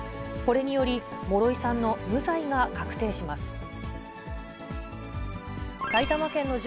これにより、諸井さんの無罪が確定します。